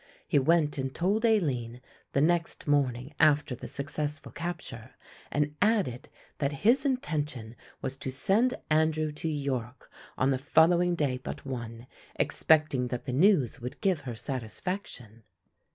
He went and told Aline the next morning after the successful capture and added that his intention was to send Andrew to York on the following day but one, expecting that the news would give her satisfaction.